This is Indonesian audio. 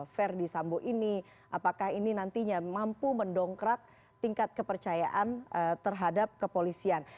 verdi sambo ini apakah ini nantinya mampu mendongkrak tingkat kepercayaan terhadap kepolisian